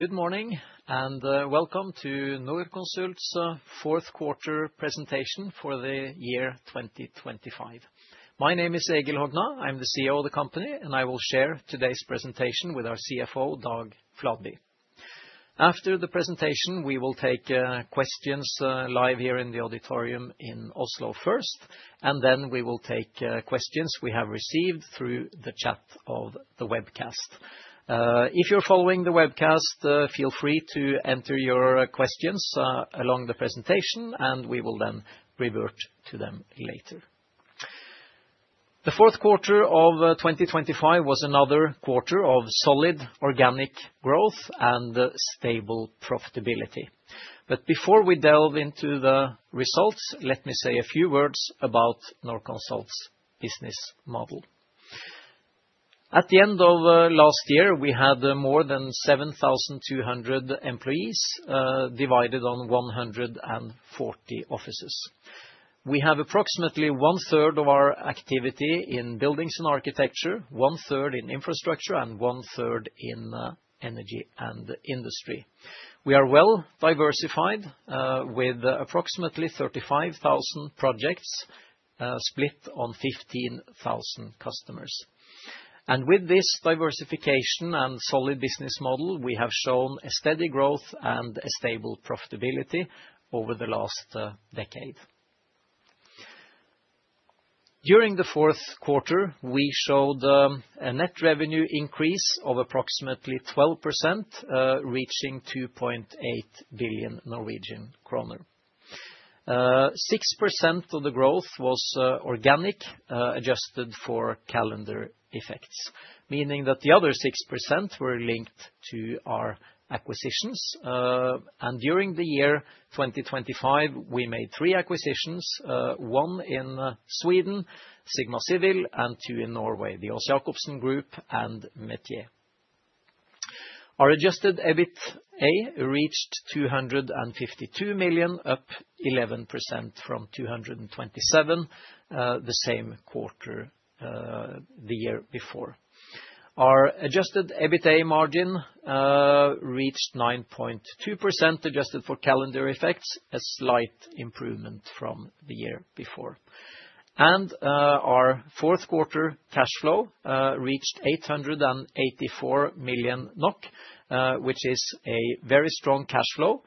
Good morning, and welcome to Norconsult's fourth quarter presentation for the year 2025. My name is Egil Hogna. I'm the CEO of the company, and I will share today's presentation with our CFO, Dag Fladby. After the presentation, we will take questions live here in the auditorium in Oslo first, and then we will take questions we have received through the chat of the webcast. If you're following the webcast, feel free to enter your questions along the presentation, and we will then revert to them later. The fourth quarter of 2025 was another quarter of solid organic growth and stable profitability. But before we delve into the results, let me say a few words about Norconsult's business model. At the end of last year, we had more than 7,200 employees, divided on 140 offices. We have approximately one-third of our activity in buildings and architecture, one-third in infrastructure, and one-third in energy and industry. We are well diversified, with approximately 35,000 projects, split on 15,000 customers. And with this diversification and solid business model, we have shown a steady growth and a stable profitability over the last decade. During the fourth quarter, we showed a net revenue increase of approximately 12%, reaching 2.8 billion Norwegian kroner. Six percent of the growth was organic, adjusted for calendar effects, meaning that the other 6% were linked to our acquisitions. During the year 2025, we made 3 acquisitions, 1 in Sweden, Sigma Civil, and 2 in Norway, the Aas-Jakobsen Group and Metier. Our adjusted EBITA reached 252 million, up 11% from 227 million, the same quarter the year before. Our adjusted EBITDA margin reached 9.2%, adjusted for calendar effects, a slight improvement from the year before. Our fourth quarter cash flow reached 884 million NOK, which is a very strong cash flow.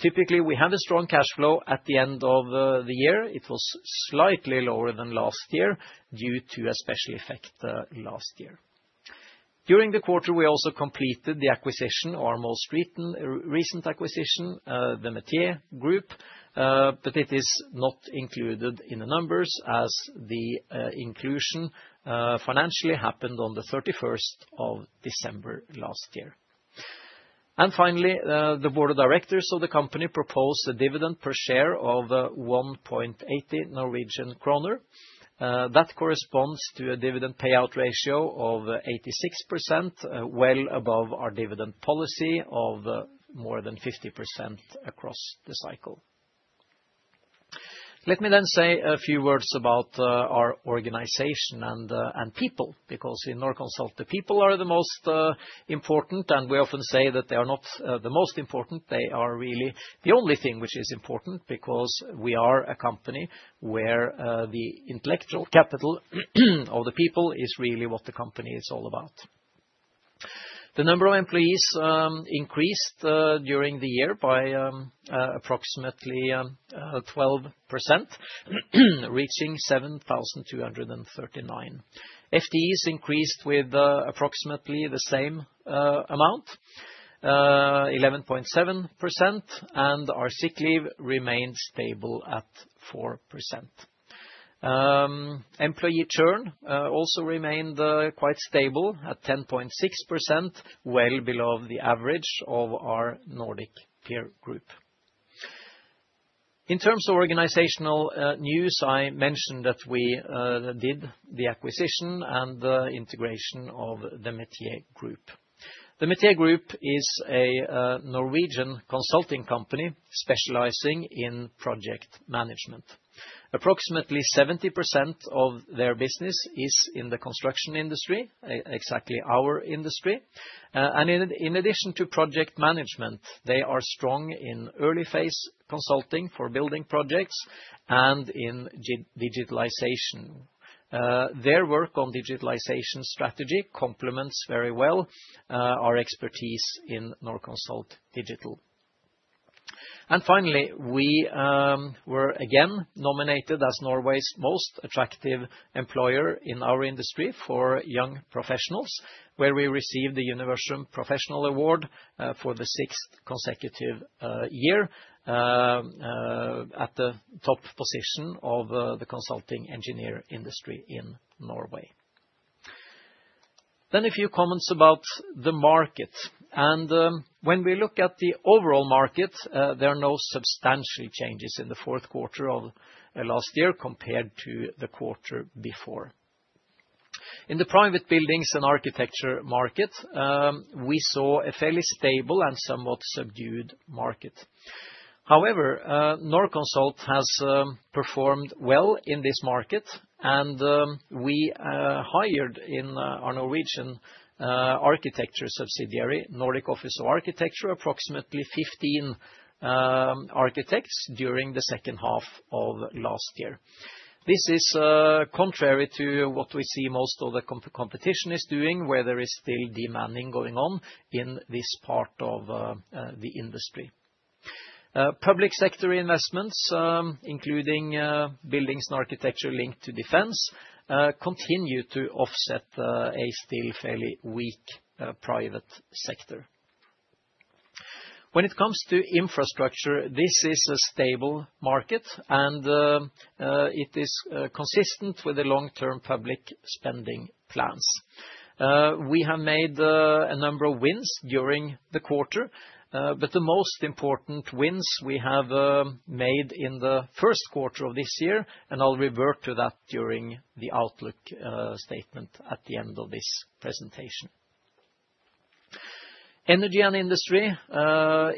Typically, we have a strong cash flow at the end of the year. It was slightly lower than last year due to a special effect last year. During the quarter, we also completed the acquisition, our most recent acquisition, the Metier Group, but it is not included in the numbers as the inclusion financially happened on the 31st of December last year. And finally, the board of directors of the company proposed a dividend per share of 1.80 Norwegian kroner. That corresponds to a dividend payout ratio of 86%, well above our dividend policy of more than 50% across the cycle. Let me then say a few words about our organization and people, because in Norconsult, the people are the most important, and we often say that they are not the most important, they are really the only thing which is important, because we are a company where the intellectual capital of the people is really what the company is all about. The number of employees increased during the year by approximately 12%, reaching 7,239. FTEs increased with approximately the same amount, 11.7%, and our sick leave remained stable at 4%. Employee churn also remained quite stable at 10.6%, well below the average of our Nordic peer group. In terms of organizational news, I mentioned that we did the acquisition and the integration of the Metier Group. The Metier Group is a Norwegian consulting company specializing in project management. Approximately 70% of their business is in the construction industry, exactly our industry. And in addition to project management, they are strong in early phase consulting for building projects and in digitalization. Their work on digitalization strategy complements very well our expertise in Norconsult Digital. And finally, we were again nominated as Norway's most attractive employer in our industry for young professionals, where we received the Universum Professional Award for the sixth consecutive year at the top position of the consulting engineer industry in Norway. Then a few comments about the market, and, when we look at the overall market, there are no substantial changes in the fourth quarter of last year compared to the quarter before. In the private buildings and architecture market, we saw a fairly stable and somewhat subdued market. However, Norconsult has performed well in this market, and we hired in our Norwegian architecture subsidiary, Nordic Office of Architecture, approximately 15 architects during the second half of last year. This is contrary to what we see most of the competition is doing, where there is still demanning going on in this part of the industry. Public sector investments, including buildings and architecture linked to defense, continue to offset a still fairly weak private sector. When it comes to infrastructure, this is a stable market, and it is consistent with the long-term public spending plans. We have made a number of wins during the quarter, but the most important wins we have made in the first quarter of this year, and I'll revert to that during the outlook statement at the end of this presentation. Energy and industry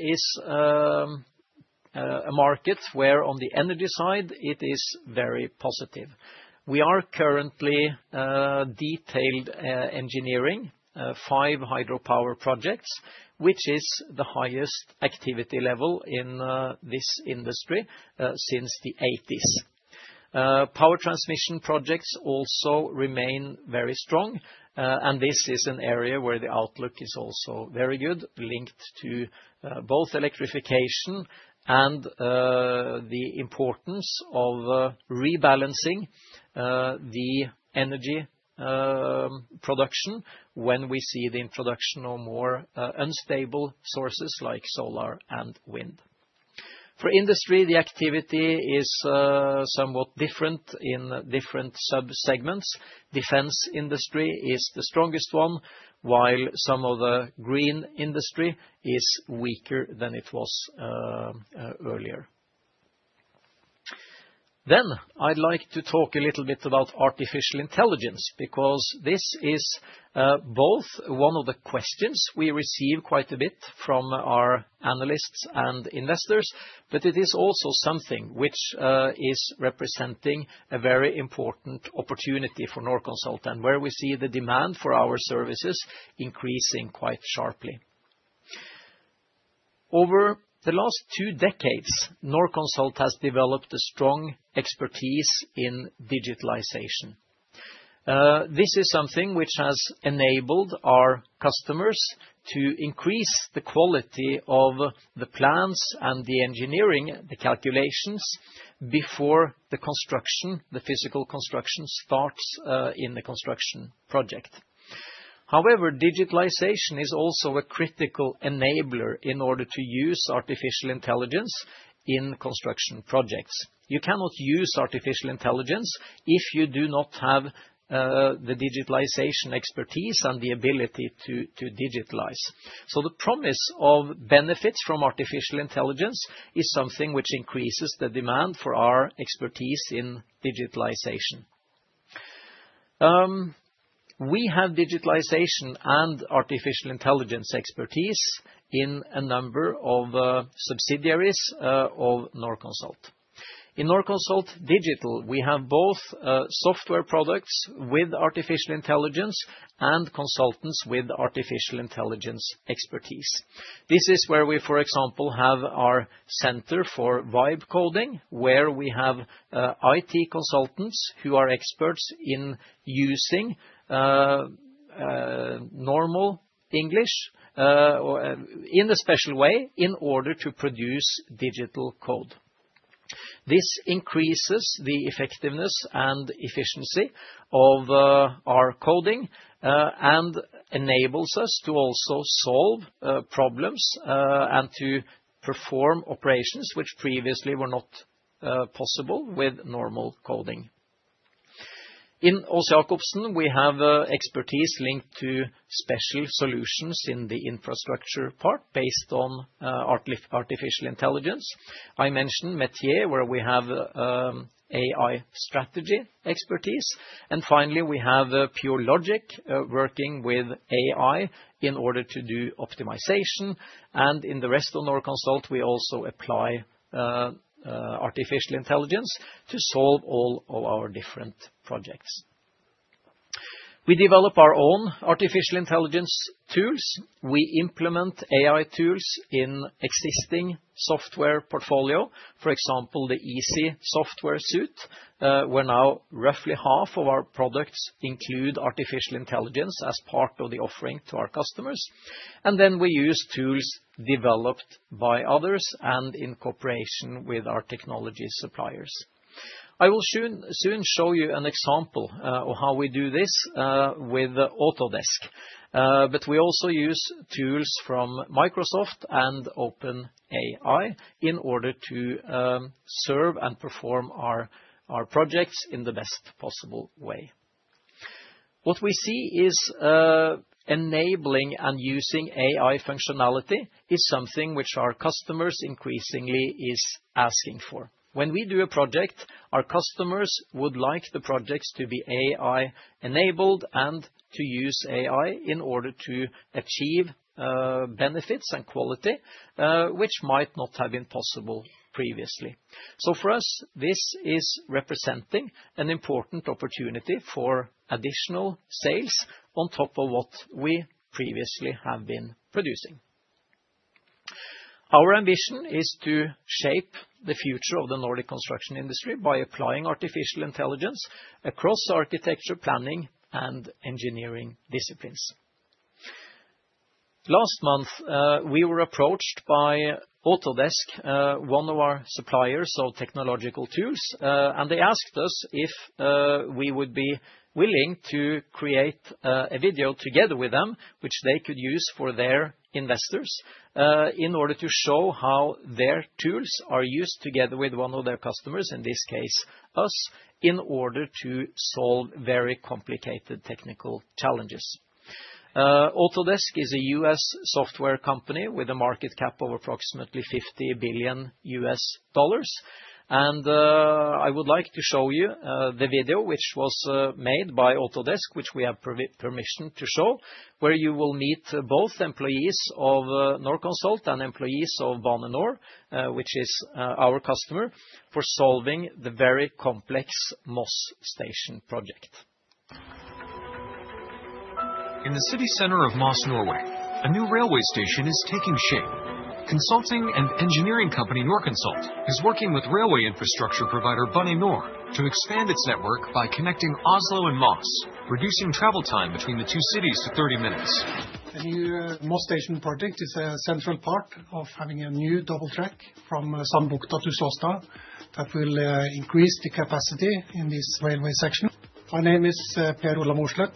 is a market where on the energy side, it is very positive. We are currently detailed engineering five hydropower projects, which is the highest activity level in this industry since the 1980s. Power transmission projects also remain very strong, and this is an area where the outlook is also very good, linked to both electrification and the importance of rebalancing the energy production when we see the introduction of more unstable sources like solar and wind. For industry, the activity is somewhat different in different sub-segments. Defense industry is the strongest one, while some of the green industry is weaker than it was earlier. Then I'd like to talk a little bit about artificial intelligence, because this is both one of the questions we receive quite a bit from our analysts and investors, but it is also something which is representing a very important opportunity for Norconsult, and where we see the demand for our services increasing quite sharply. Over the last two decades, Norconsult has developed a strong expertise in digitalization. This is something which has enabled our customers to increase the quality of the plans and the engineering, the calculations, before the construction, the physical construction, starts in the construction project. However, digitalization is also a critical enabler in order to use artificial intelligence in construction projects. You cannot use artificial intelligence if you do not have the digitalization expertise and the ability to digitalize. So the promise of benefits from artificial intelligence is something which increases the demand for our expertise in digitalization. We have digitalization and artificial intelligence expertise in a number of subsidiaries of Norconsult. In Norconsult Digital, we have both software products with artificial intelligence and consultants with artificial intelligence expertise. This is where we, for example, have our center for Vibe Coding, where we have IT consultants who are experts in using normal English or in a special way in order to produce digital code. This increases the effectiveness and efficiency of our coding and enables us to also solve problems and to perform operations which previously were not possible with normal coding. In Aas-Jakobsen, we have expertise linked to special solutions in the infrastructure part based on artificial intelligence. I mentioned Metier, where we have AI strategy expertise. And finally, we have Pure Logic working with AI in order to do optimization. And in the rest of Norconsult, we also apply artificial intelligence to solve all of our different projects. We develop our own artificial intelligence tools. We implement AI tools in existing software portfolio, for example, the ISY software suite, where now roughly half of our products include artificial intelligence as part of the offering to our customers. And then we use tools developed by others and in cooperation with our technology suppliers. I will soon show you an example of how we do this with Autodesk. But we also use tools from Microsoft and OpenAI in order to serve and perform our projects in the best possible way. What we see is enabling and using AI functionality is something which our customers increasingly is asking for. When we do a project, our customers would like the projects to be AI-enabled and to use AI in order to achieve benefits and quality which might not have been possible previously. So for us, this is representing an important opportunity for additional sales on top of what we previously have been producing. Our ambition is to shape the future of the Nordic construction industry by applying artificial intelligence across architecture, planning, and engineering disciplines. Last month, we were approached by Autodesk, one of our suppliers of technological tools, and they asked us if we would be willing to create a video together with them, which they could use for their investors, in order to show how their tools are used together with one of their customers, in this case, us, in order to solve very complicated technical challenges. Autodesk is a U.S. software company with a market cap of approximately $50 billion. I would like to show you the video, which was made by Autodesk, which we have permission to show, where you will meet both employees of Norconsult and employees of Bane NOR, which is our customer for solving the very complex Moss Station project. In the city center of Moss, Norway, a new railway station is taking shape. Consulting and engineering company, Norconsult, is working with railway infrastructure provider, Bane NOR, to expand its network by connecting Oslo and Moss, reducing travel time between the two cities to 30 minutes. The new Moss Station project is a central part of having a new double track from Sandbukta to Såstad, that will increase the capacity in this railway section. My name is Per Ola Morsslet.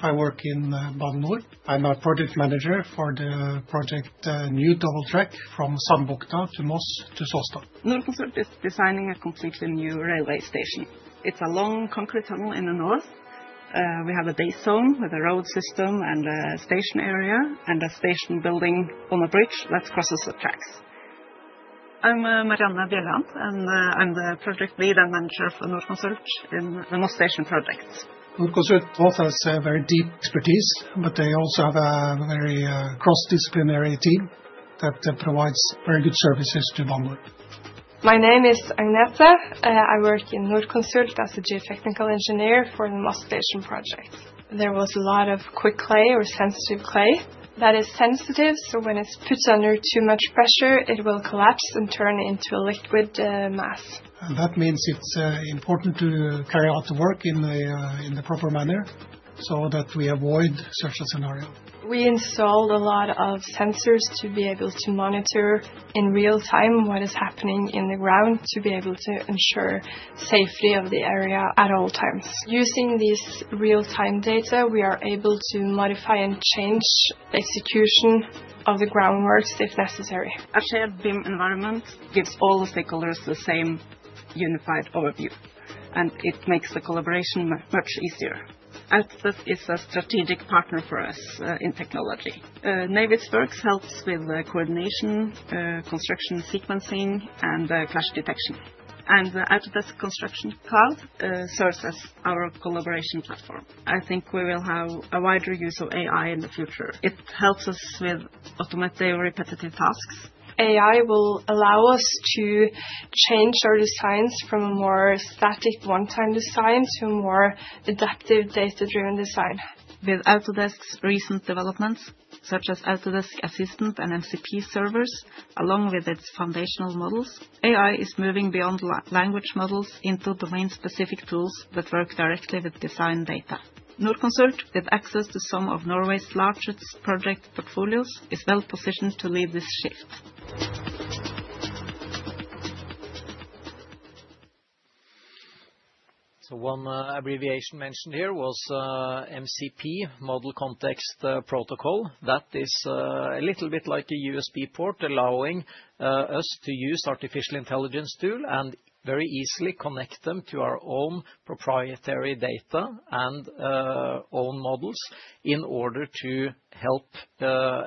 I work in Bane NOR. I'm a project manager for the project, new double track from Sandbukta to Moss to Såstad. Norconsult is designing a completely new railway station. It's a long concrete tunnel in the north. We have a base zone with a road system and a station area, and a station building on a bridge that crosses the tracks. I'm Marianne Bjelland, and, I'm the project lead and manager for Norconsult in the Moss Station projects. Norconsult offers a very deep expertise, but they also have a very cross-disciplinary team that provides very good services to Bane NOR. My name is Agnetha. I work in Norconsult as a geotechnical engineer for the Moss Station projects. There was a lot of quick clay or sensitive clay that is sensitive, so when it's put under too much pressure, it will collapse and turn into a liquid mass. That means it's important to carry out the work in the proper manner so that we avoid such a scenario. We installed a lot of sensors to be able to monitor in real time what is happening in the ground, to be able to ensure safety of the area at all times. Using this real-time data, we are able to modify and change execution of the groundworks, if necessary. A shared BIM environment gives all the stakeholders the same unified overview, and it makes the collaboration much, much easier. Autodesk is a strategic partner for us in technology. Navisworks helps with coordination, construction sequencing, and clash detection. And the Autodesk Construction Cloud serves as our collaboration platform. I think we will have a wider use of AI in the future. It helps us with automating repetitive tasks. AI will allow us to change our designs from a more static, one-time design to a more adaptive, data-driven design. With Autodesk's recent developments, such as Autodesk Assistant and MCP Servers, along with its foundational models, AI is moving beyond language models into domain-specific tools that work directly with design data. Norconsult, with access to some of Norway's largest project portfolios, is well positioned to lead this shift. So one abbreviation mentioned here was MCP, Model Context Protocol. That is a little bit like a USB port, allowing us to use artificial intelligence tool and very easily connect them to our own proprietary data and own models, in order to help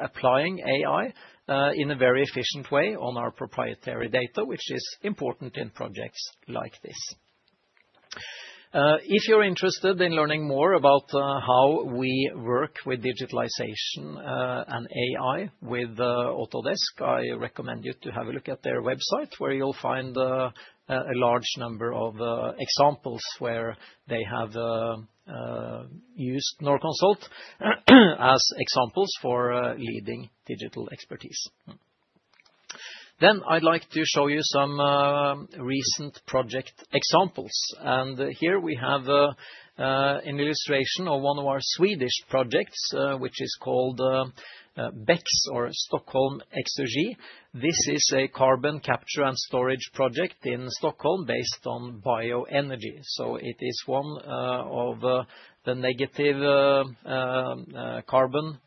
applying AI in a very efficient way on our proprietary data, which is important in projects like this. If you're interested in learning more about how we work with digitalization and AI with Autodesk, I recommend you to have a look at their website, where you'll find a large number of examples where they have used Norconsult, as examples for leading digital expertise. Then, I'd like to show you some recent project examples. And here we have an illustration of one of our Swedish projects, which is called BECCS or Stockholm Exergy. This is a carbon capture and storage project in Stockholm, based on bioenergy, so it is one of the negative carbon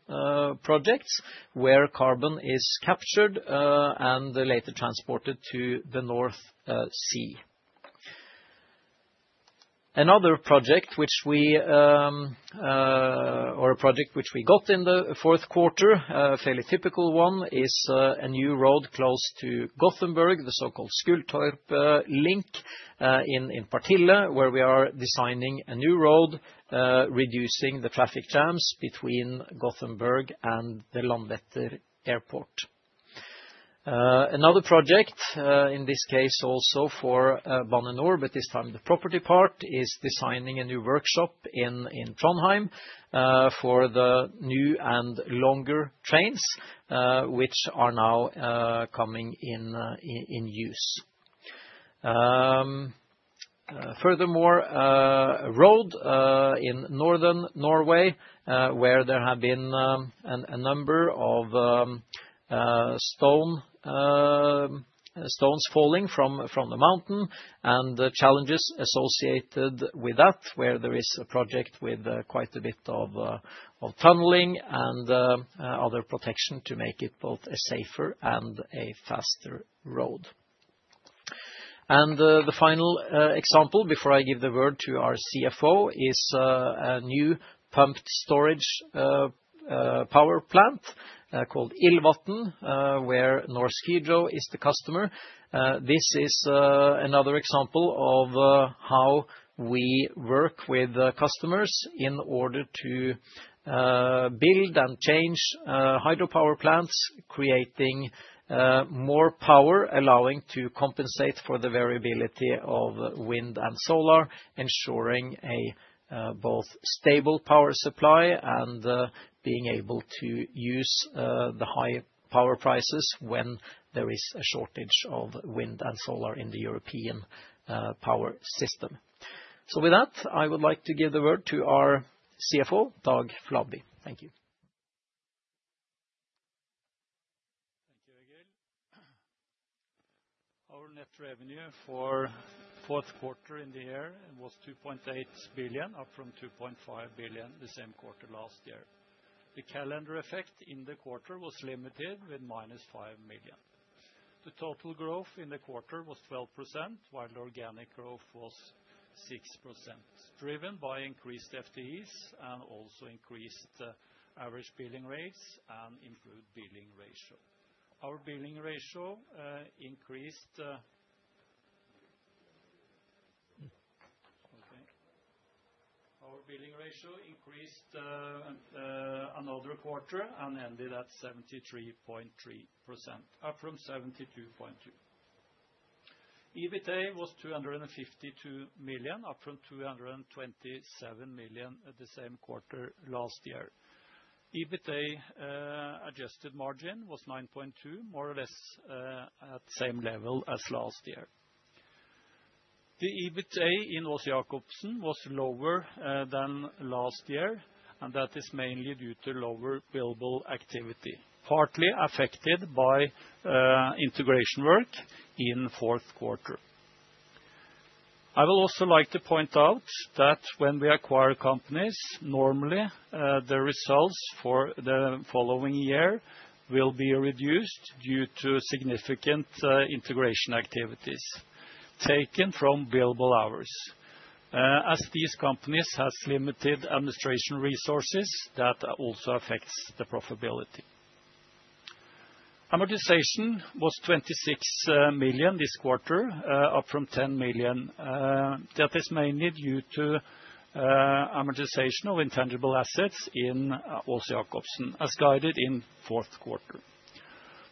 projects, where carbon is captured and later transported to the North Sea. Another project which we or a project which we got in the fourth quarter, a fairly typical one, is a new road close to Gothenburg, the so-called Skultorpa link in Partille, where we are designing a new road reducing the traffic jams between Gothenburg and the Landvetter Airport. Another project, in this case, also for Bane NOR, but this time the property part, is designing a new workshop in Trondheim, for the new and longer trains, which are now coming in use. Furthermore, a road in northern Norway, where there have been a number of stones falling from the mountain, and the challenges associated with that, where there is a project with quite a bit of tunneling and other protection to make it both a safer and a faster road. The final example, before I give the word to our CFO, is a new pumped storage power plant called Illvatn, where Norsk Hydro is the customer. This is another example of how we work with the customers in order to build and change hydropower plants, creating more power, allowing to compensate for the variability of wind and solar, ensuring a both stable power supply and being able to use the high power prices when there is a shortage of wind and solar in the European power system. So with that, I would like to give the word to our CFO, Dag Fladby. Thank you. Thank you, Egil. Our net revenue for fourth quarter in the year was 2.8 billion, up from 2.5 billion the same quarter last year. The calendar effect in the quarter was limited, with -5 million. The total growth in the quarter was 12%, while organic growth was 6%, driven by increased FTEs, and also increased average billing rates and improved billing ratio. Our billing ratio increased another quarter and ended at 73.3%, up from 72.2%. EBITA was 252 million, up from 227 million at the same quarter last year. EBITA adjusted margin was 9.2, more or less, at the same level as last year. The EBITA in Aas-Jakobsen was lower than last year, and that is mainly due to lower billable activity, partly affected by integration work in the fourth quarter. I would also like to point out that when we acquire companies, normally the results for the following year will be reduced due to significant integration activities taken from billable hours. As these companies has limited administration resources, that also affects the profitability. Amortization was 26 million this quarter, up from 10 million. That is mainly due to amortization of intangible assets in Aas-Jakobsen, as guided in fourth quarter.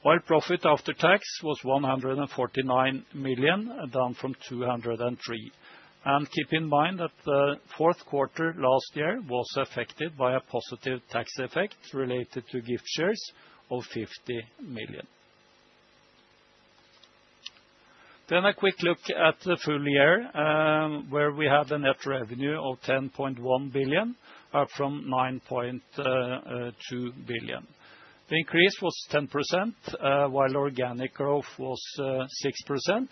While profit after tax was 149 million, down from 203 million. And keep in mind that the fourth quarter last year was affected by a positive tax effect related to gift shares of 50 million. Then a quick look at the full year, where we have a net revenue of 10.1 billion, up from 9.2 billion. The increase was 10%, while organic growth was 6%,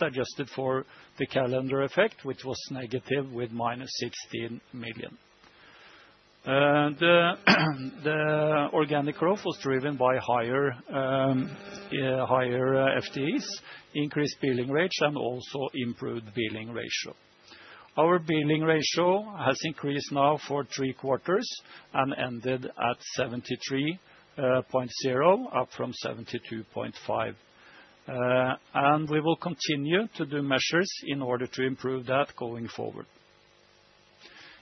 adjusted for the calendar effect, which was negative, with -16 million. The organic growth was driven by higher FTEs, increased billing rate, and also improved billing ratio. Our billing ratio has increased now for three quarters, and ended at 73.0, up from 72.5. We will continue to do measures in order to improve that going forward.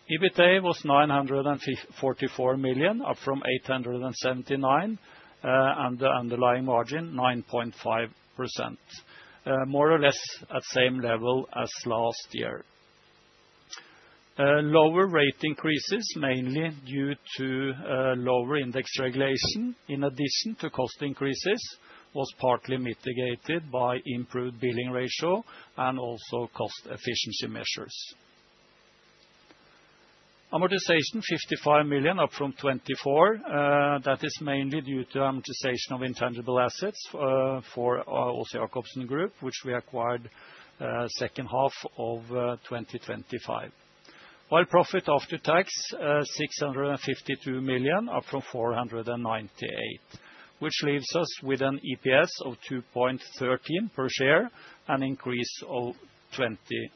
EBITA was 944 million, up from 879 million, and the underlying margin, 9.5%. More or less at same level as last year. Lower rate increases, mainly due to lower index regulation, in addition to cost increases, was partly mitigated by improved billing ratio and also cost efficiency measures. Amortization, 55 million, up from 24 million. That is mainly due to amortization of intangible assets for Aas-Jakobsen group, which we acquired second half of 2025. While profit after tax, 652 million, up from 498 million, which leaves us with an EPS of 2.13 per share, an increase of 24%.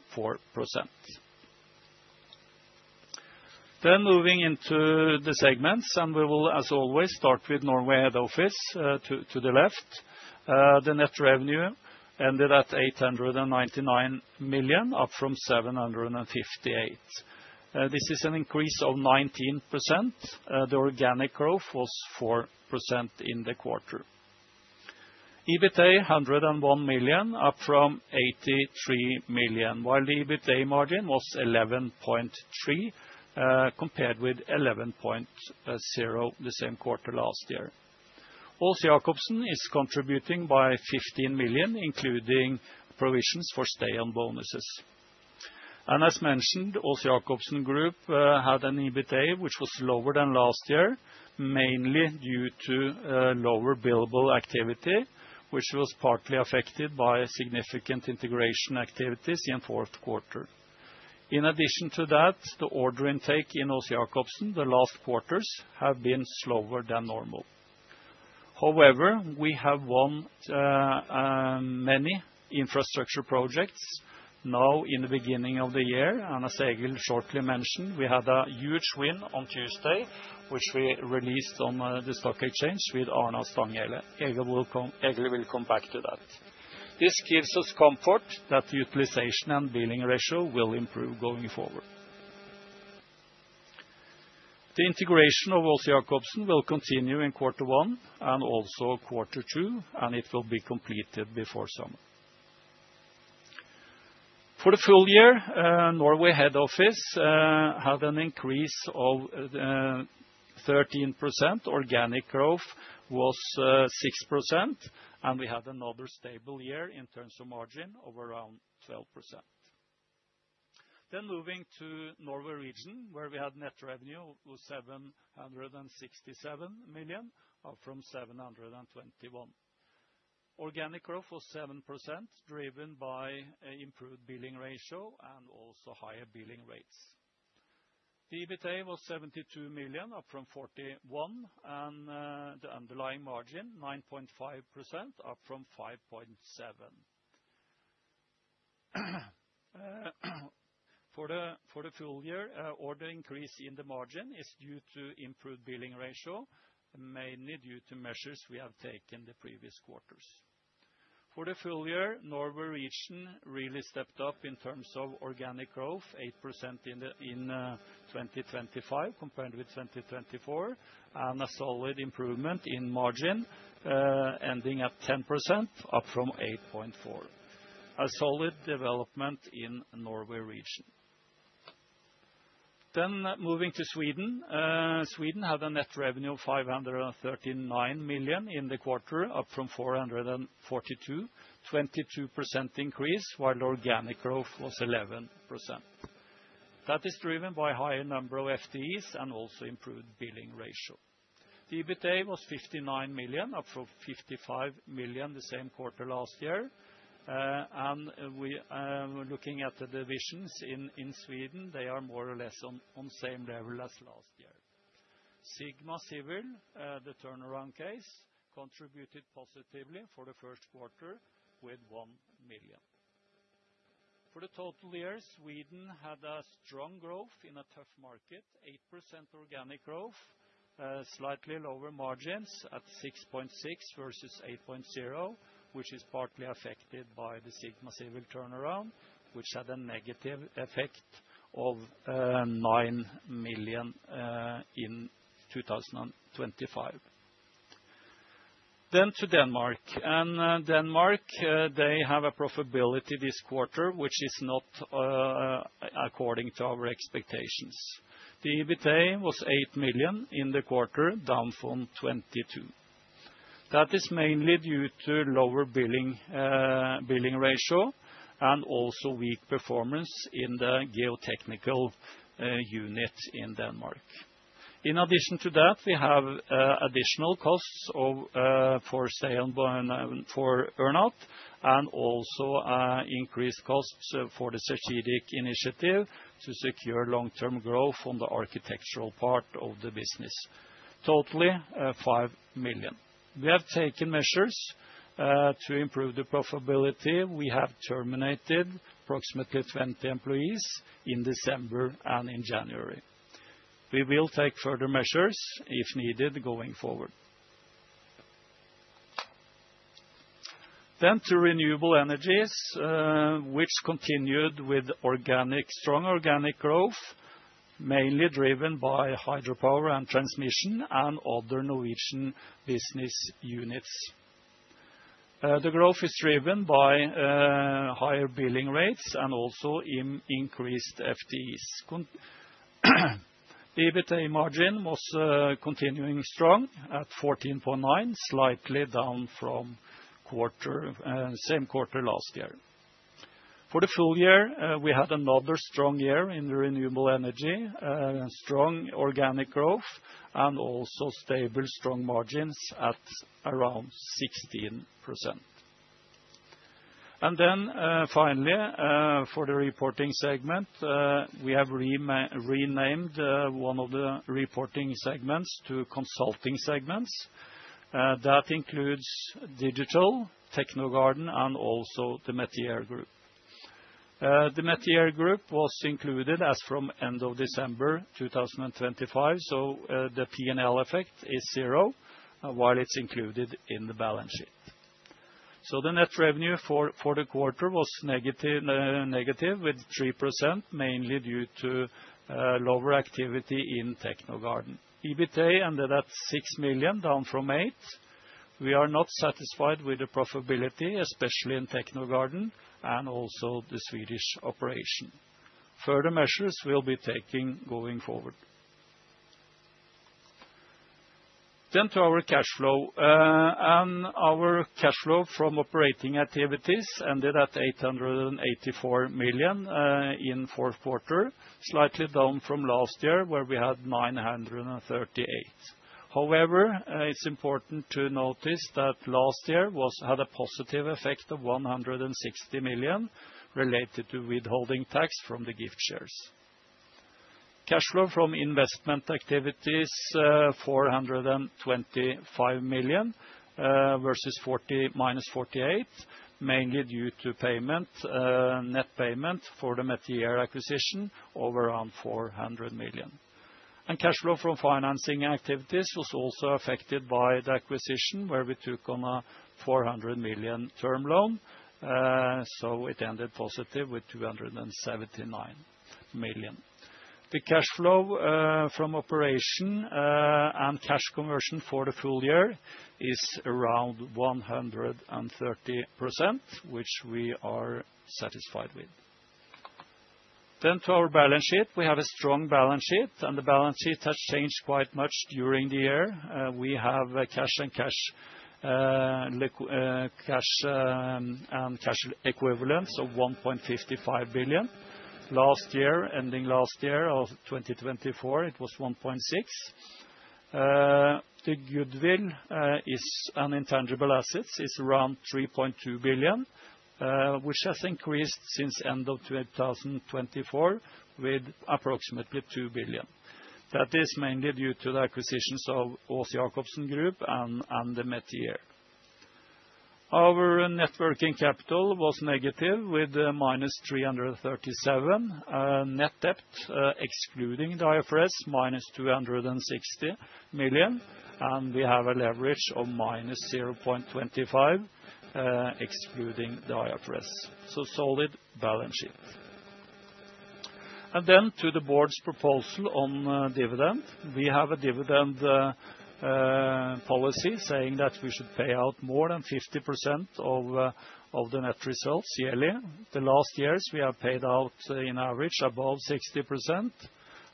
Then moving into the segments, and we will, as always, start with Norway head office to the left. The net revenue ended at 899 million, up from 758 million. This is an increase of 19%. The organic growth was 4% in the quarter. EBITA 101 million, up from 83 million, while the EBITA margin was 11.3%, compared with 11.0% the same quarter last year. Aas-Jakobsen is contributing by 15 million, including provisions for stay on bonuses. As mentioned, Aas-Jakobsen Group had an EBITA, which was lower than last year, mainly due to lower billable activity, which was partly affected by significant integration activities in fourth quarter. In addition to that, the order intake in Aas-Jakobsen, the last quarters have been slower than normal. However, we have won many infrastructure projects now in the beginning of the year. And as Egil shortly mentioned, we had a huge win on Tuesday, which we released on the stock exchange with Arna-Stanghelle. Egil will come back to that. This gives us comfort that the utilization and billing ratio will improve going forward. The integration of Aas-Jakobsen will continue in quarter one and also quarter two, and it will be completed before summer. For the full year, Norway head office had an increase of 13%. Organic growth was 6%, and we had another stable year in terms of margin of around 12%. Then moving to Norway region, where we had net revenue of 767 million, up from 721 million. Organic growth was 7%, driven by improved billing ratio and also higher billing rates. The EBITA was 72 million, up from 41 million, and the underlying margin 9.5%, up from 5.7%. For the full year, order increase in the margin is due to improved billing ratio, mainly due to measures we have taken the previous quarters. For the full year, Norway region really stepped up in terms of organic growth, 8% in 2025, compared with 2024, and a solid improvement in margin, ending at 10%, up from 8.4. A solid development in Norway region. Then moving to Sweden. Sweden had a net revenue of 539 million in the quarter, up from 442 million, 22% increase, while organic growth was 11%. That is driven by higher number of FTEs and also improved billing ratio. The EBITA was 59 million, up from 55 million the same quarter last year. And we looking at the divisions in Sweden, they are more or less on the same level as last year. Sigma Civil, the turnaround case, contributed positively for the first quarter with 1 million. For the total year, Sweden had a strong growth in a tough market, 8% organic growth, slightly lower margins at 6.6 versus 8.0, which is partly affected by the Sigma Civil turnaround, which had a negative effect of 9 million in 2025. Then to Denmark. And Denmark, they have a profitability this quarter, which is not according to our expectations. The EBITA was 8 million in the quarter, down from 22 million. That is mainly due to lower billing ratio and also weak performance in the geotechnical unit in Denmark. In addition to that, we have additional costs of for sale and for earn out, and also increased costs for the strategic initiative to secure long-term growth on the architectural part of the business. Totally, 5 million. We have taken measures to improve the profitability. We have terminated approximately 20 employees in December and in January. We will take further measures, if needed, going forward. Then to renewable energies, which continued with organic, strong organic growth, mainly driven by hydropower and transmission and other Norwegian business units. The growth is driven by higher billing rates and also in increased FTEs. EBITA margin was continuing strong at 14.9%, slightly down from quarter, same quarter last year. For the full year, we had another strong year in the renewable energy, strong organic growth, and also stable, strong margins at around 16%. Then, finally, for the reporting segment, we have renamed one of the reporting segments to consulting segments. That includes digital, Technogarden, and also the Metier group. The Metier group was included as from end of December 2025, so the PNL effect is zero, while it's included in the balance sheet. So the net revenue for the quarter was negative 3%, mainly due to lower activity in Technogarden. EBITA ended at 6 million, down from 8 million. We are not satisfied with the profitability, especially in Technogarden and also the Swedish operation. Further measures we'll be taking going forward. Then to our cash flow. And our cash flow from operating activities ended at 884 million in fourth quarter, slightly down from last year, where we had 938 million. However, it's important to notice that last year had a positive effect of 160 million related to withholding tax from the gift shares. Cash flow from investment activities, 425 million, versus minus 48 million, mainly due to net payment for the Metier acquisition of around 400 million. And cash flow from financing activities was also affected by the acquisition, where we took on a 400 million term loan, so it ended positive with 279 million. The cash flow from operation and cash conversion for the full year is around 130%, which we are satisfied with. Then to our balance sheet. We have a strong balance sheet, and the balance sheet has changed quite much during the year. We have a cash and cash equivalents of 1.55 billion. Last year, ending last year of 2024, it was 1.6 billion. The goodwill is an intangible assets, is around 3.2 billion, which has increased since end of 2024 with approximately 2 billion. That is mainly due to the acquisitions of Aas-Jakobsen and the Metier. Our net working capital was negative, with a -337 million, net debt, excluding the IFRS, -260 million, and we have a leverage of -0.25, excluding the IFRS. So solid balance sheet. And then to the board's proposal on dividend. We have a dividend policy saying that we should pay out more than 50% of the net results yearly. The last years, we have paid out on average above 60%,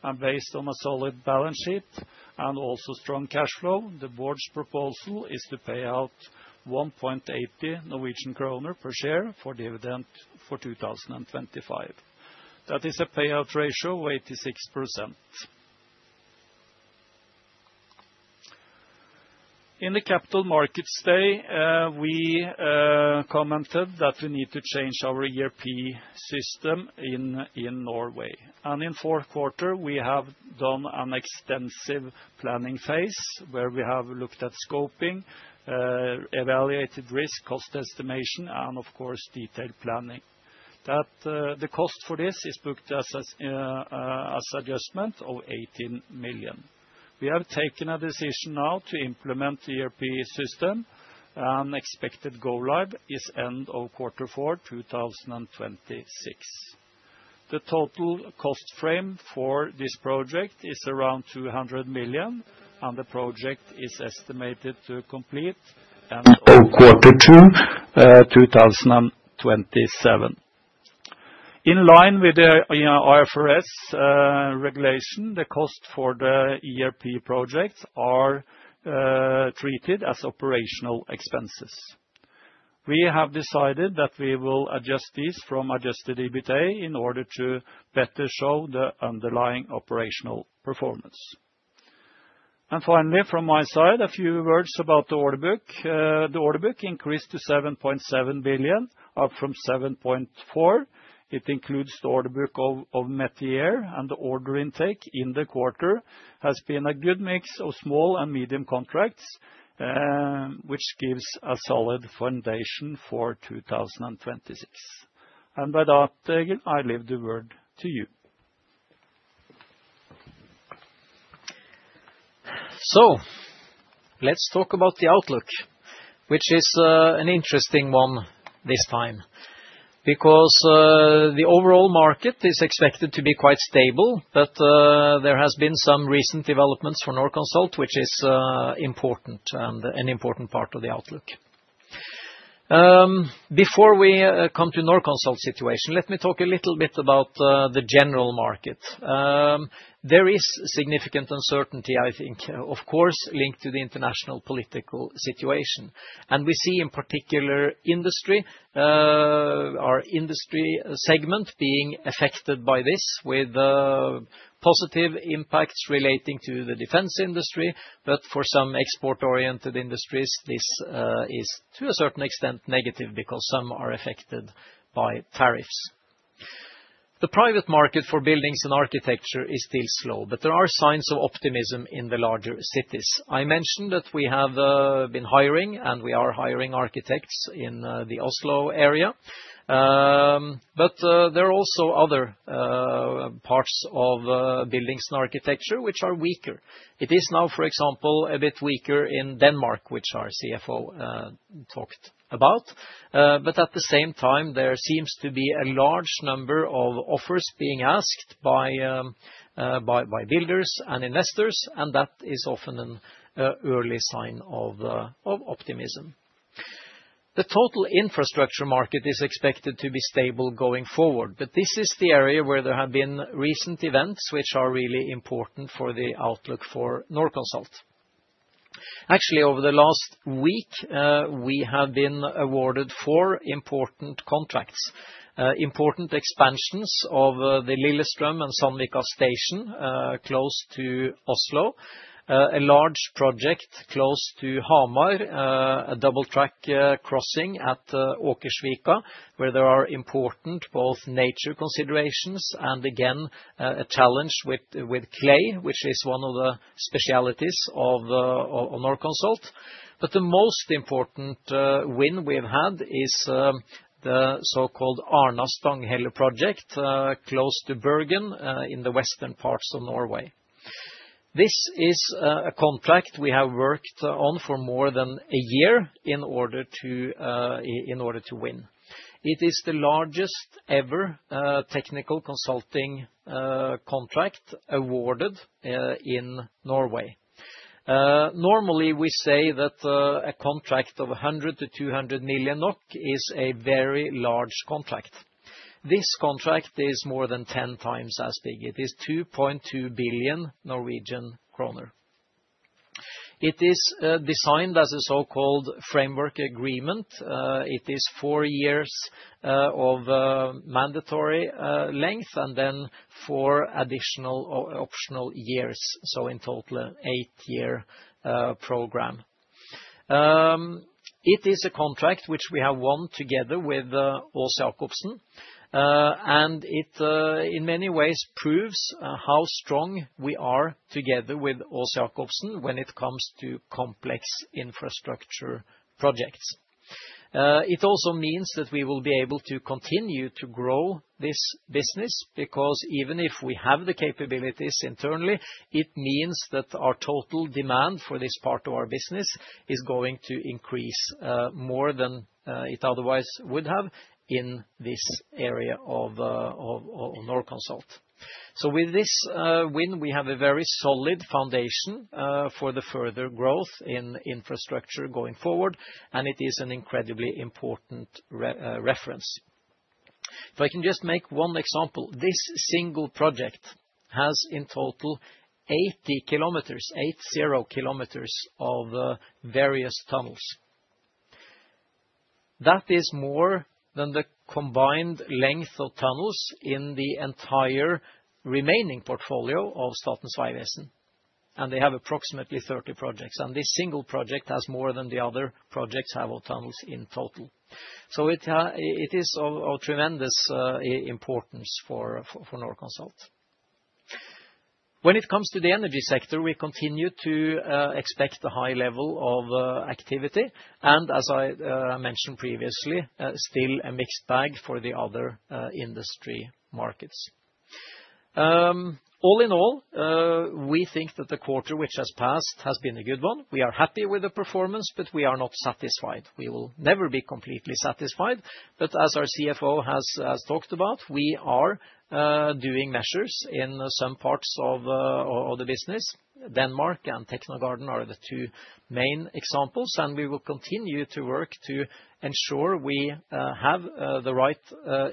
and based on a solid balance sheet and also strong cash flow, the board's proposal is to pay out 1.80 Norwegian kroner per share for dividend for 2025. That is a payout ratio of 86%. In the Capital Markets Day, we commented that we need to change our ERP system in Norway. In fourth quarter, we have done an extensive planning phase, where we have looked at scoping, evaluated risk, cost estimation, and of course, detailed planning. That the cost for this is booked as adjustment of 18 million. We have taken a decision now to implement the ERP system, and expected go live is end of Q4 2026. The total cost frame for this project is around 200 million, and the project is estimated to complete end of Q2 2027. In line with the IFRS regulation, the cost for the ERP projects are treated as operational expenses. We have decided that we will adjust this from adjusted EBITA in order to better show the underlying operational performance. And finally, from my side, a few words about the order book. The order book increased to 7.7 billion, up from 7.4 billion. It includes the order book of Metier, and the order intake in the quarter has been a good mix of small and medium contracts, which gives a solid foundation for 2026. And by that, Egil, I leave the word to you. So let's talk about the outlook, which is an interesting one this time, because the overall market is expected to be quite stable, but there has been some recent developments for Norconsult, which is important and an important part of the outlook. Before we come to Norconsult situation, let me talk a little bit about the general market. There is significant uncertainty, I think, of course, linked to the international political situation. And we see in particular industry, our industry segment being affected by this with positive impacts relating to the defense industry, but for some export-oriented industries, this is to a certain extent, negative because some are affected by tariffs. The private market for buildings and architecture is still slow, but there are signs of optimism in the larger cities. I mentioned that we have been hiring, and we are hiring architects in the Oslo area. But there are also other parts of buildings and architecture which are weaker. It is now, for example, a bit weaker in Denmark, which our CFO talked about. But at the same time, there seems to be a large number of offers being asked by builders and investors, and that is often an early sign of optimism. The total infrastructure market is expected to be stable going forward, but this is the area where there have been recent events, which are really important for the outlook for Norconsult. Actually, over the last week, we have been awarded four important contracts. Important expansions of the Lillestrøm and Sandvika station close to Oslo. A large project close to Hamar, a double track crossing at Åkersvika, where there are important both nature considerations and again a challenge with clay, which is one of the specialties of Norconsult. But the most important win we've had is the so-called Arna-Stanghelle project close to Bergen in the western parts of Norway. This is a contract we have worked on for more than a year in order to win. It is the largest ever technical consulting contract awarded in Norway. Normally, we say that a contract of 100-200 million NOK is a very large contract. This contract is more than 10 times as big. It is 2.2 billion Norwegian kroner. It is designed as a so-called framework agreement. It is four years of mandatory length, and then four additional or optional years, so in total, an eight-year program. It is a contract which we have won together with Aas-Jakobsen. It in many ways proves how strong we are together with Aas-Jakobsen when it comes to complex infrastructure projects. It also means that we will be able to continue to grow this business, because even if we have the capabilities internally, it means that our total demand for this part of our business is going to increase more than it otherwise would have in this area of Norconsult. So with this win, we have a very solid foundation for the further growth in infrastructure going forward, and it is an incredibly important reference. If I can just make one example, this single project has in total 80 kilometers, 80 kilometers of various tunnels. That is more than the combined length of tunnels in the entire remaining portfolio of Statens vegvesen, and they have approximately 30 projects, and this single project has more than the other projects have of tunnels in total. So it, it is of, of tremendous importance for, for Norconsult. When it comes to the energy sector, we continue to expect a high level of activity, and as I mentioned previously, still a mixed bag for the other industry markets. All in all, we think that the quarter which has passed has been a good one. We are happy with the performance, but we are not satisfied. We will never be completely satisfied, but as our CFO has talked about, we are doing measures in some parts of the business. Denmark and Technogarden are the two main examples, and we will continue to work to ensure we have the right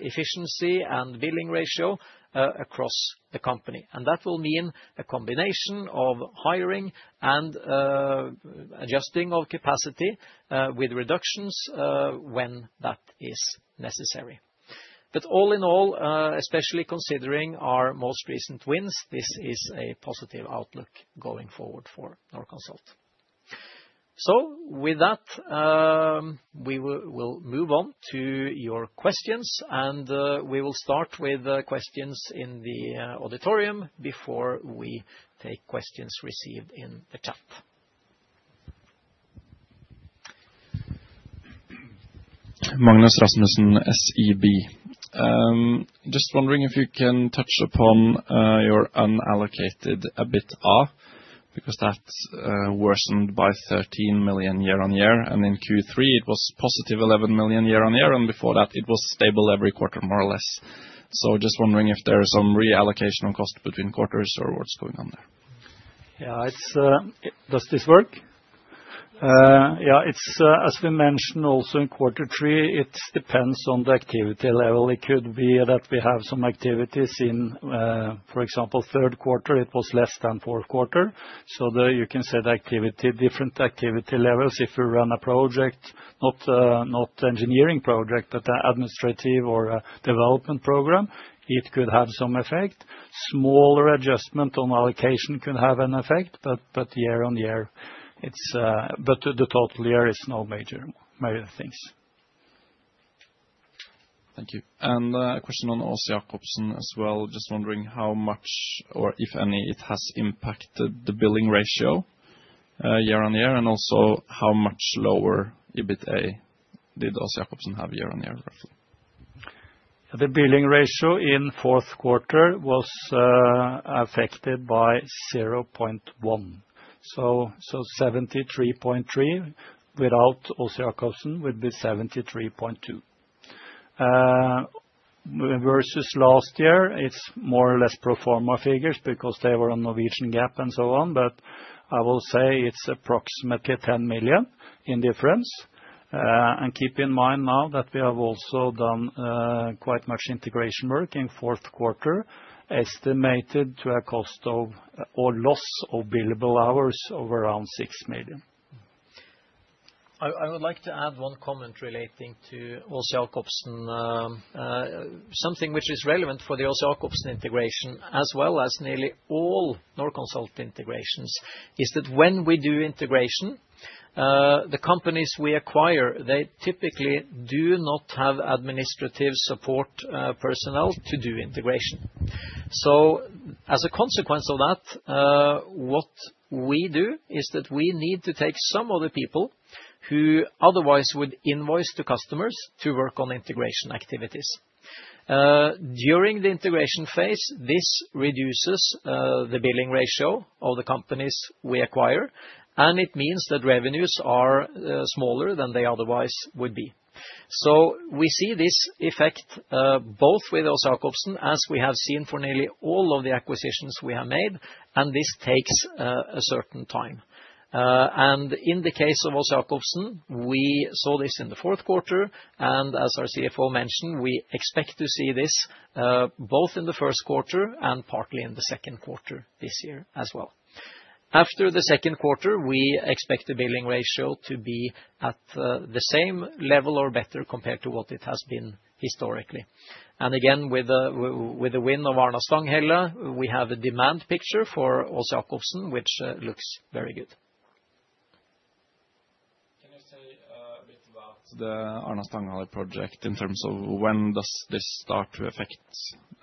efficiency and billing ratio across the company. And that will mean a combination of hiring and adjusting our capacity with reductions when that is necessary. But all in all, especially considering our most recent wins, this is a positive outlook going forward for Norconsult. So with that, we will move on to your questions, and we will start with questions in the auditorium before we take questions received in the chat. Magnus Rasmussen, SEB. Just wondering if you can touch upon your unallocated EBITA, because that's worsened by 13 million year-on-year, and in Q3, it was positive 11 million year-on-year, and before that, it was stable every quarter, more or less. So just wondering if there is some reallocation of cost between quarters, or what's going on there? Yeah, it's... Does this work? Yeah, it's, as we mentioned also in quarter three, it depends on the activity level. It could be that we have some activities in, for example, third quarter, it was less than fourth quarter. So there, you can say the activity- different activity levels. If you run a project, not, not engineering project, but administrative or a development program, it could have some effect. Smaller adjustment on allocation could have an effect, but, but year on year, it's... But the total year is no major, major things. Thank you. And a question on Aas-Jakobsen as well. Just wondering how much, or if any, it has impacted the billing ratio year-on-year? And also, how much lower EBITA did Aas-Jakobsen have year-on-year, roughly? The billing ratio in fourth quarter was affected by 0.1. So, 73.3%, without Aas-Jakobsen, would be 73.2%. Versus last year, it's more or less pro forma figures, because they were on Norwegian GAAP and so on. But I will say it's approximately 10 million in difference. And keep in mind now that we have also done quite much integration work in fourth quarter, estimated to a cost of, or loss of billable hours of around 6 million. I would like to add one comment relating to Aas-Jakobsen. Something which is relevant for the Aas-Jakobsen integration, as well as nearly all Norconsult integrations, is that when we do integration, the companies we acquire, they typically do not have administrative support personnel to do integration. So as a consequence of that, what we do is that we need to take some of the people who otherwise would invoice the customers to work on integration activities. During the integration phase, this reduces the billing ratio of the companies we acquire, and it means that revenues are smaller than they otherwise would be. So we see this effect both with Aas-Jakobsen, as we have seen for nearly all of the acquisitions we have made, and this takes a certain time. And in the case of Aas-Jakobsen, we saw this in the fourth quarter, and as our CFO mentioned, we expect to see this both in the first quarter and partly in the second quarter this year as well. After the second quarter, we expect the billing ratio to be at the same level or better compared to what it has been historically. And again, with the win of Arna-Stanghelle, we have a demand picture for Aas-Jakobsen, which looks very good. Can you say a bit about the Arna-Stanghelle project in terms of when does this start to affect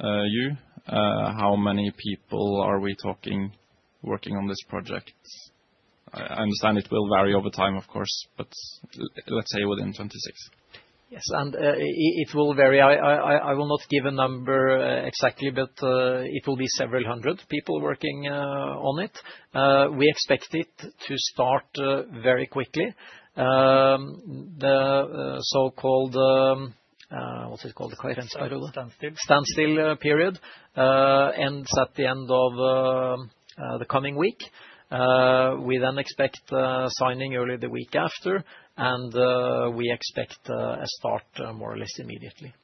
you? How many people are we talking working on this project? I understand it will vary over time, of course, but let's say within 26. Yes, and it will vary. I will not give a number exactly, but it will be several hundred people working on it. We expect it to start very quickly. The so-called, what's it called? Standstill. Standstill period ends at the end of the coming week. We then expect signing early the week after, and we expect a start more or less immediately.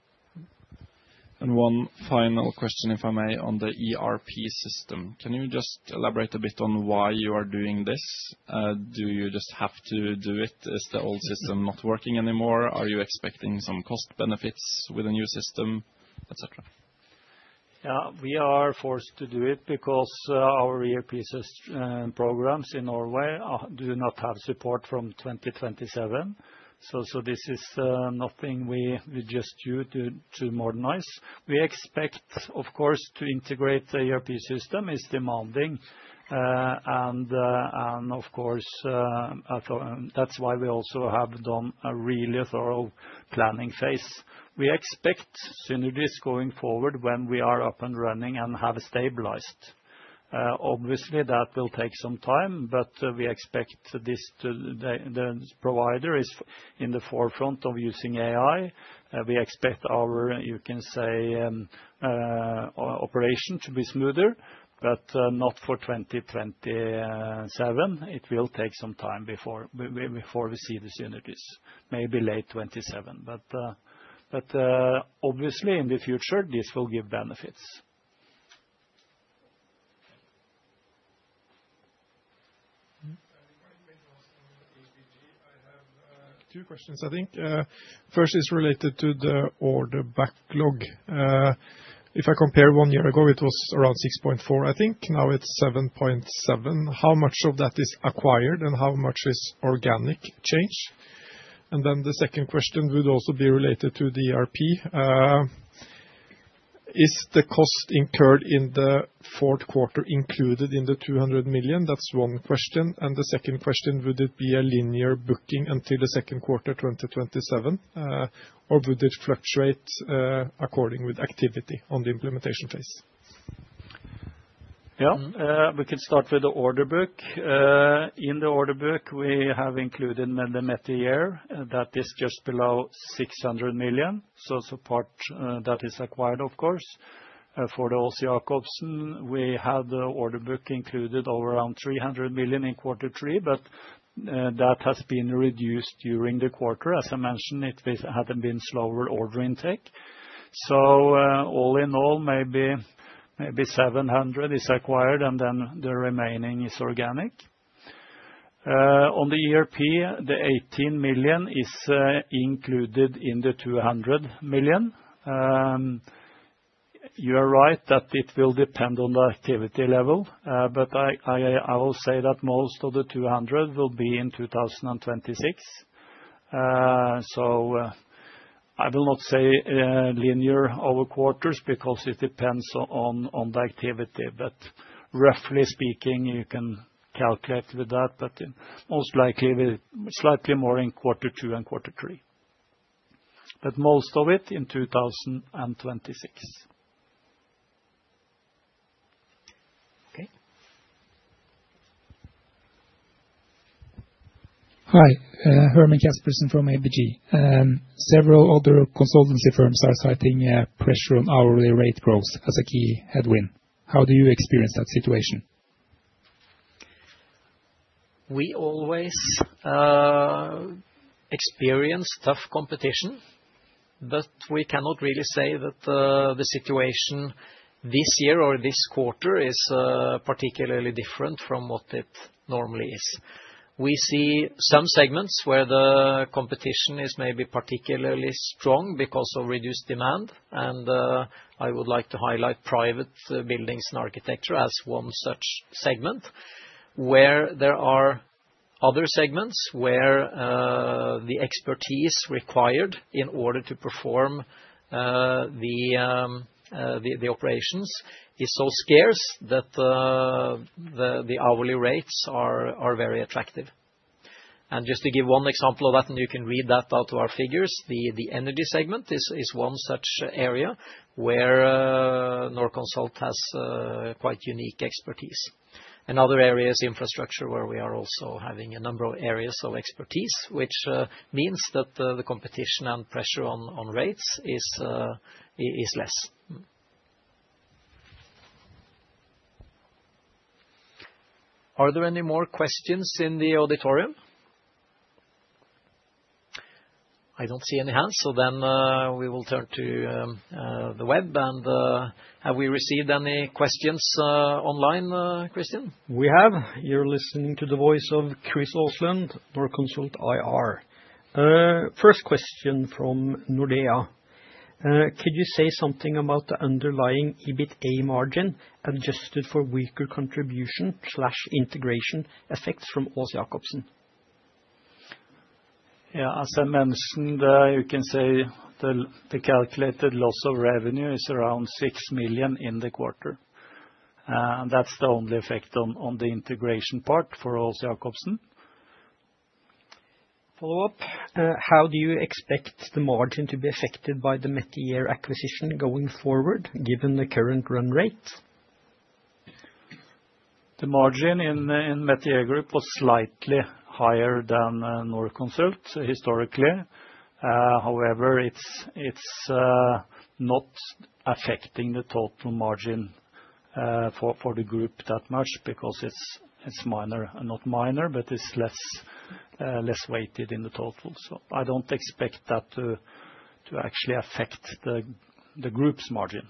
One final question, if I may, on the ERP system. Can you just elaborate a bit on why you are doing this? Do you just have to do it? Is the old system not working anymore? Are you expecting some cost benefits with a new system, et cetera? Yeah, we are forced to do it, because our ERP system programs in Norway do not have support from 2027. So this is nothing we just do to modernize. We expect, of course, to integrate the ERP system. It's demanding, and of course, that's why we also have done a really thorough planning phase. We expect synergies going forward when we are up and running and have stabilized. Obviously, that will take some time, but we expect this to - the provider is in the forefront of using AI. We expect our, you can say, operation to be smoother, but not for 2027. It will take some time before we see the synergies, maybe late 2027. But, obviously, in the future, this will give benefits. I have two questions, I think. First is related to the order backlog. If I compare one year ago, it was around 6.4, I think. Now it's 7.7. How much of that is acquired, and how much is organic change? And then the second question would also be related to the ERP. Is the cost incurred in the fourth quarter included in the 200 million? That's one question. And the second question, would it be a linear booking until the second quarter, 2027? Or would it fluctuate, according with activity on the implementation phase? Yeah, we can start with the order book. In the order book, we have included the Metier, that is just below 600 million, so it's a part that is acquired, of course. For the Aas-Jakobsen, we had the order book included over around 300 million in quarter three, but that has been reduced during the quarter. As I mentioned, it has had been slower order intake. So, all in all, maybe 700 million is acquired, and then the remaining is organic. On the ERP, the 18 million is included in the 200 million. You are right, that it will depend on the activity level. But I will say that most of the 200 million will be in 2026. So I will not say linear over quarters, because it depends on the activity. But roughly speaking, you can calculate with that, but most likely will slightly more in quarter two and quarter three. But most of it in 2026. Okay. Hi, Herman Caspersen from ABG, and several other consultancy firms are citing, pressure on hourly rate growth as a key headwind. How do you experience that situation? We always experience tough competition, but we cannot really say that the situation this year or this quarter is particularly different from what it normally is. We see some segments where the competition is maybe particularly strong because of reduced demand, and I would like to highlight private buildings and architecture as one such segment. Where there are other segments, where the expertise required in order to perform the operations is so scarce that the hourly rates are very attractive. And just to give one example of that, and you can read that out to our figures. The energy segment is one such area where Norconsult has quite unique expertise. In other areas, infrastructure, where we are also having a number of areas of expertise, which means that the competition and pressure on rates is less. Are there any more questions in the auditorium? I don't see any hands, so then we will turn to the web, and have we received any questions online, Christian? We have. You're listening to the voice of Chris Olsen, Norconsult IR. First question from Nordea. Could you say something about the underlying EBITA margin, adjusted for weaker contribution/integration effects from Aas-Jakobsen? Yeah, as I mentioned, you can say the calculated loss of revenue is around 6 million in the quarter. And that's the only effect on the integration part for Aas-Jakobsen. Follow-up. How do you expect the margin to be affected by the Metier acquisition going forward, given the current run rate? The margin in Metier Group was slightly higher than Norconsult historically. However, it's not affecting the total margin for the group that much, because it's minor, not minor, but it's less weighted in the total. So I don't expect that to actually affect the group's margin.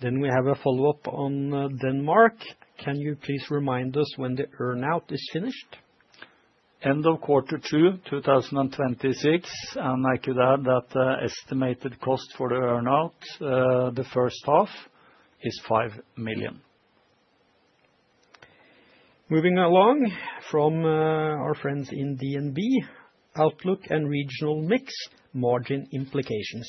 Then we have a follow-up on Denmark. Can you please remind us when the earn-out is finished? End of quarter two, 2026. I could add that the estimated cost for the earn-out, the first half, is 5 million. Moving along from our friends in DNB. Outlook and regional mix margin implications.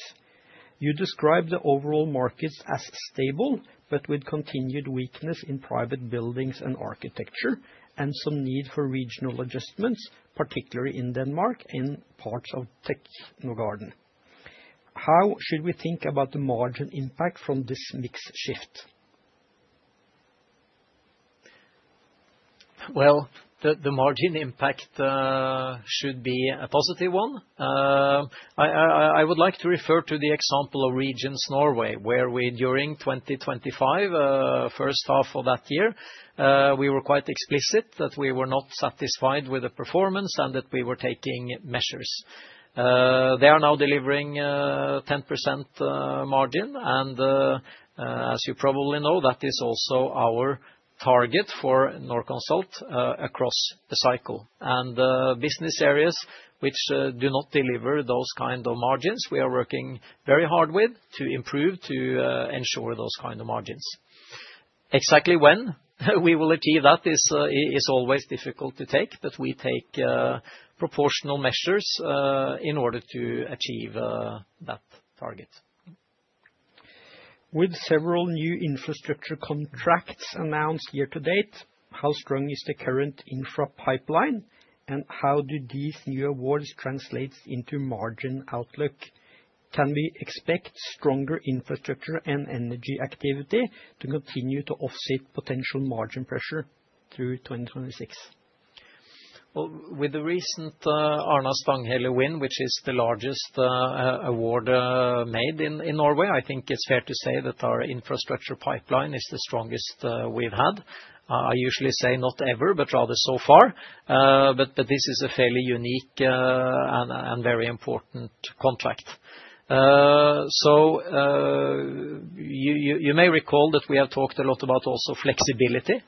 You described the overall markets as stable, but with continued weakness in private buildings and architecture, and some need for regional adjustments, particularly in Denmark, in parts of Technogarden. How should we think about the margin impact from this mix shift? Well, the margin impact should be a positive one. I would like to refer to the example of Regions Norway, where we, during 2025, first half of that year, we were quite explicit that we were not satisfied with the performance and that we were taking measures. They are now delivering 10% margin, and as you probably know, that is also our target for Norconsult across the cycle. And business areas which do not deliver those kind of margins, we are working very hard with, to improve, to ensure those kind of margins. Exactly when we will achieve that is always difficult to take, but we take proportional measures in order to achieve that target. With several new infrastructure contracts announced year to date, how strong is the current infra pipeline, and how do these new awards translates into margin outlook? Can we expect stronger infrastructure and energy activity to continue to offset potential margin pressure through 2026? Well, with the recent Arna-Stanghelle win, which is the largest award made in Norway, I think it's fair to say that our infrastructure pipeline is the strongest we've had. I usually say not ever, but rather so far. But this is a fairly unique and very important contract. So you may recall that we have talked a lot about also flexibility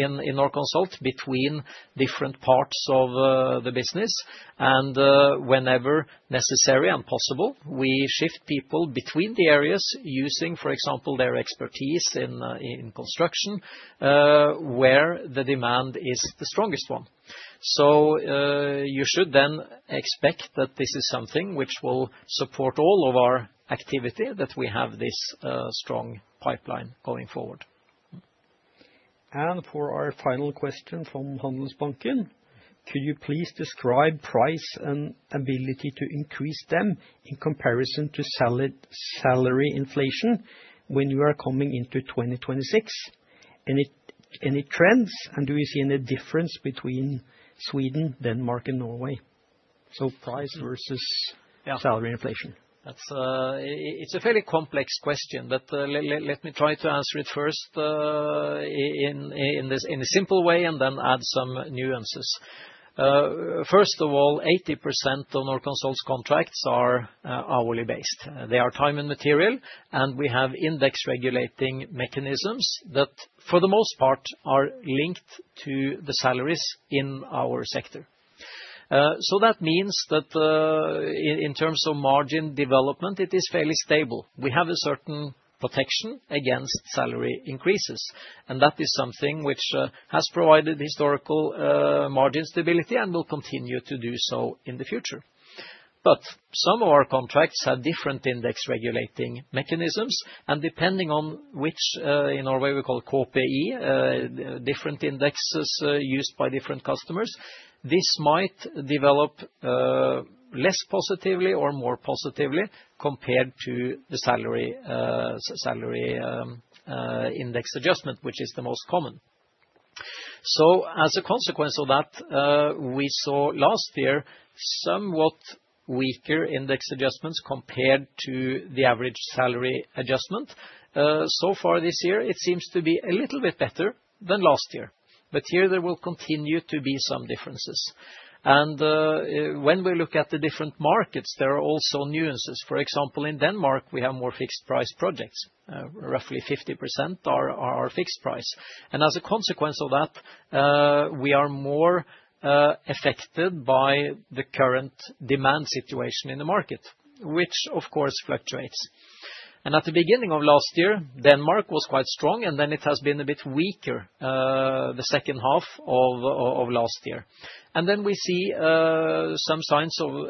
in Norconsult, between different parts of the business. And whenever necessary and possible, we shift people between the areas using, for example, their expertise in construction where the demand is the strongest one. So you should then expect that this is something which will support all of our activity, that we have this strong pipeline going forward. ...for our final question from Handelsbanken: Could you please describe price and ability to increase them in comparison to salary inflation when you are coming into 2026? Any, any trends, and do we see any difference between Sweden, Denmark, and Norway? So price versus- Yeah. -salary inflation. That's... It's a fairly complex question, but let me try to answer it first in a simple way, and then add some nuances. First of all, 80% of Norconsult's contracts are hourly based. They are time and material, and we have index-regulating mechanisms that, for the most part, are linked to the salaries in our sector. So that means that in terms of margin development, it is fairly stable. We have a certain protection against salary increases, and that is something which has provided historical margin stability and will continue to do so in the future. But some of our contracts have different index-regulating mechanisms, and depending on which, in Norway we call KPE, different indexes used by different customers, this might develop less positively or more positively compared to the salary index adjustment, which is the most common. So as a consequence of that, we saw last year somewhat weaker index adjustments compared to the average salary adjustment. So far this year, it seems to be a little bit better than last year, but here there will continue to be some differences. And when we look at the different markets, there are also nuances. For example, in Denmark, we have more fixed-price projects. Roughly 50% are fixed price, and as a consequence of that, we are more affected by the current demand situation in the market, which, of course, fluctuates. At the beginning of last year, Denmark was quite strong, and then it has been a bit weaker, the second half of last year. Then we see some signs of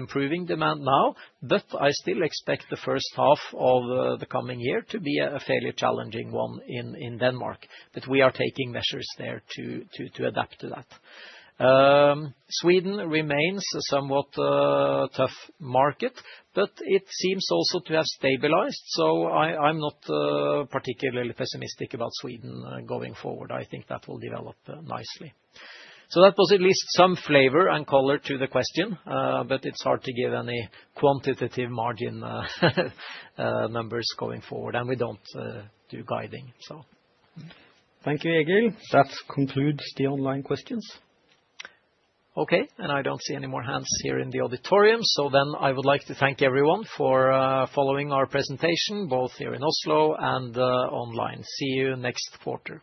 improving demand now, but I still expect the first half of the coming year to be a fairly challenging one in Denmark. We are taking measures there to adapt to that. Sweden remains a somewhat tough market, but it seems also to have stabilized, so I am not particularly pessimistic about Sweden going forward. I think that will develop nicely. So that was at least some flavor and color to the question, but it's hard to give any quantitative margin, numbers going forward, and we don't do guiding, so. Thank you, Egil. That concludes the online questions. Okay, and I don't see any more hands here in the auditorium, so then I would like to thank everyone for following our presentation, both here in Oslo and online. See you next quarter.